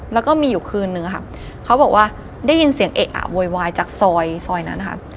แล้วก็มีอยู่คืนนึงค่ะเขาบอกว่าได้ยินเสียงเอะอะโวยวายจากซอยซอยนั้นค่ะ